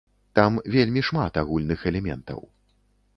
Там вельмі шмат агульных элементаў.